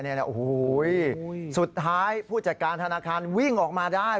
โอ้โหสุดท้ายผู้จัดการธนาคารวิ่งออกมาได้